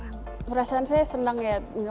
merasa saya senang ya